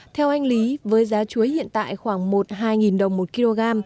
theo anh lý với giá chuối hiện tại khoảng một hai đồng một kg